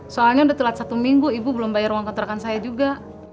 soalnya udah telat satu minggu ibu belum bayar uang kontrakan saya juga